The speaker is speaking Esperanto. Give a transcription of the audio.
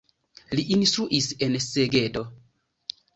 Li instruis en Segedo.